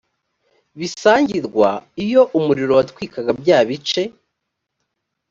bisangirwa iyo umuriro watwikaga bya bice